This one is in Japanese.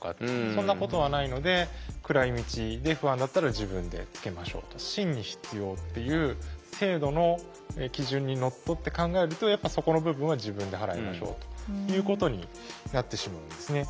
そんなことはないので暗い道で不安だったら自分でつけましょうと。にのっとって考えるとやっぱそこの部分は自分で払いましょうということになってしまうんですね。